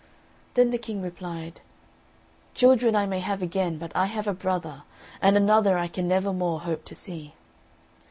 Then the King replied, "Children I may have again, but I have a brother, and another I can never more hop to see."